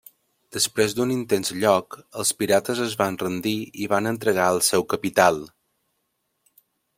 Després d'un intens lloc, els pirates es van rendir i van entregar el seu capital.